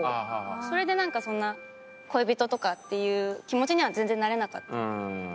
それでなんかそんな恋人とかっていう気持ちには全然なれなかった感じです。